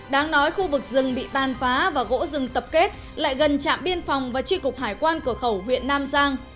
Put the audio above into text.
đáng nói khu vực rừng bị tàn phá và gỗ rừng tập kết lại gần trạm biên phòng và tri cục hải quan cửa khẩu huyện nam giang